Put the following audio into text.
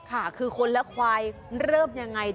ค่ะคือคนและควายเริ่มยังไง